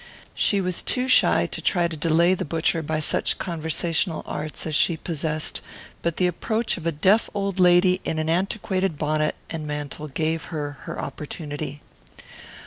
She was too shy to try to delay the butcher by such conversational arts as she possessed, but the approach of a deaf old lady in an antiquated bonnet and mantle gave her her opportunity.